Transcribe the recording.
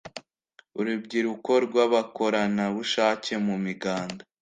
urubyiruko rw'abakoranabushake mu miganda